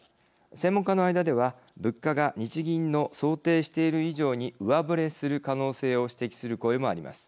専門家の間では物価が日銀の想定している以上に上振れする可能性を指摘する声もあります。